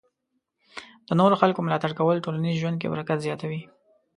د نورو خلکو ملاتړ کول ټولنیز ژوند کې برکت زیاتوي.